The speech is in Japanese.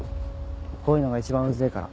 こういうのが一番ウゼェから。